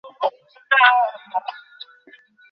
মুন্সী প্রেমচাঁদের গল্প থেকে নাট্যরূপ স্বপন দাসের।